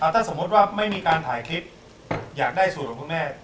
ถ้าสมมุติว่าไม่มีการถ่ายคลิปอยากได้สูตรของคุณแม่